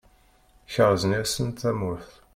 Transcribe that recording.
Kerzen yes-sen tamurt.